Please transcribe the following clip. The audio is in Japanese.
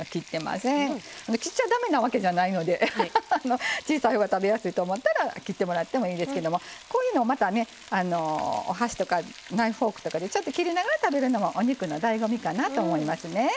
切っちゃだめなわけじゃないので小さいほうが食べやすいと思ったら切ってもらってもいいですけどもこういうのをまたねお箸とかナイフ・フォークとかでちょっと切りながら食べるのもお肉のだいご味かなと思いますね。